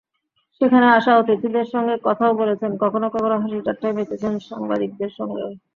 সেখানে আসা অতিথিদের সঙ্গে কথাও বলেছেন, কখনো কখনো হাসি-ঠাট্টায় মেতেছেন সাংবাদিকদের সঙ্গেও।